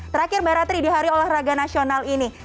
terakhir mbak ratri di hari olahraga nasional ini